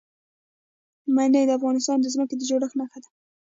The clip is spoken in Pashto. منی د افغانستان د ځمکې د جوړښت نښه ده.